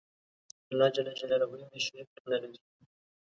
الله ج یو دی. شریک نلري.